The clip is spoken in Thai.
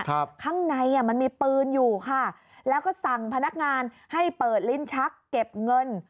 ข้างในอ่ะมันมีปืนอยู่ค่ะแล้วก็สั่งพนักงานให้เปิดลิ้นชักเก็บเงิน